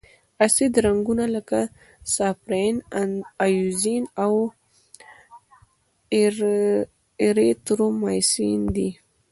اسیدي رنګونه لکه سافرانین، ائوزین او ایریترومایسین دي.